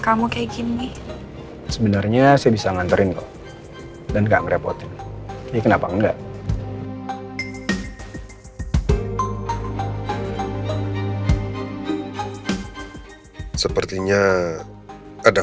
kamu kayak gini sebenarnya saya bisa nganterin kok dan kak ngerepotin ini kenapa enggak sepertinya ada